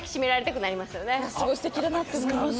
すごいすてきだなって思います。